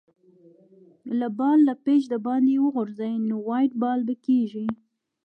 که بال له پيچ دباندي وغورځي؛ نو وایډ بال بلل کیږي.